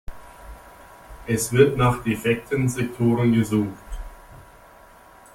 Es wird nach defekten Sektoren gesucht.